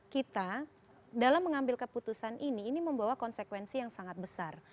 kita dalam mengambil keputusan ini ini membawa konsekuensi yang sangat besar